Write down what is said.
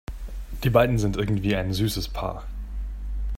Die beiden sind irgendwie ein süßes Paar.